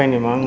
aduh ya ampun